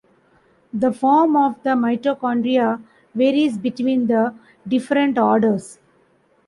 The form of the mitochondria varies between the different orders.